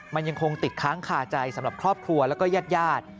มันยังคงติดค้างคาใจสำหรับครอบครัวแล้วก็ญาติญาติ